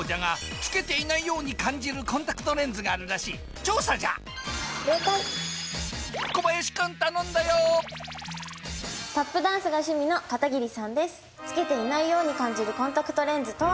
つけていないように感じるコンタクトレンズとは？